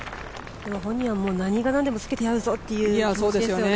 本人は何が何でもつけてやるぞという気持ちですよね。